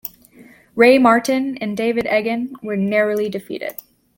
Ray Martin and David Eggen were narrowly defeated.